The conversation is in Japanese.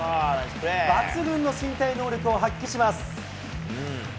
抜群の身体能力を発揮します。